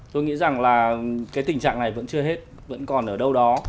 tôi nghĩ rằng là cái tình trạng này vẫn chưa hết vẫn còn ở đâu đó